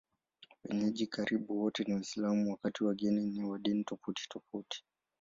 Wenyeji karibu wote ni Waislamu, wakati wageni ni wa dini tofautitofauti.